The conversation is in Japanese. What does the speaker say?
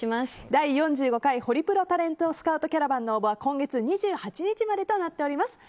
第４５回ホリプロタレントスカウトキャラバンの応募は今月２８日までとなっています。